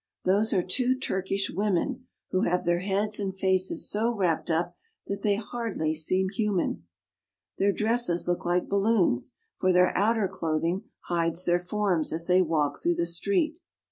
Those are two Turkish women, who have their heads and faces so wrapped up that they hardly seem human. Their dresses look like balloons, for their outer clothing hides their forms as they walk through the street.